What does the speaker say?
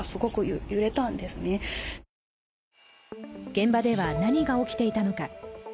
現場では何が起きていたのか。